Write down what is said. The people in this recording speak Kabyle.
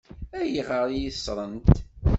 Ayɣer i yi-ṣṣṛent?